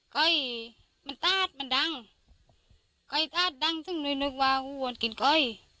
ค่อยมันตาดมันดังค่อยตาดดังซึ่งเลยนึกว่าหูอวนกินก้อย